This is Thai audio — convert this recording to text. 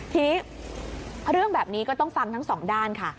ทีนี้เรื่องแบบนี้ก็ต้องฟังทั้งสองด้านค่ะ